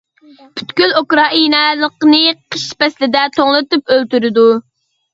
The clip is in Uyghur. پۈتكۈل ئۇكرائىنالىقنى قىش پەسلىدە توڭلىتىپ ئۆلتۈرىدۇ!